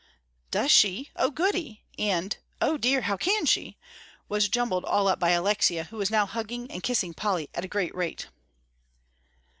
"Does she? Oh, goody," and, "O dear, how can she?" was jumbled all up by Alexia, who was now hugging and kissing Polly at a great rate.